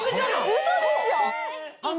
ウソでしょ？